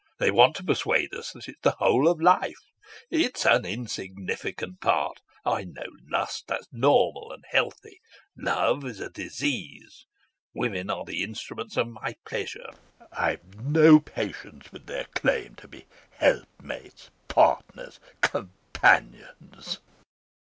They want to persuade us that it's the whole of life. It's an insignificant part. I know lust. That's normal and healthy. Love is a disease. Women are the instruments of my pleasure; I have no patience with their claim to be helpmates, partners, companions."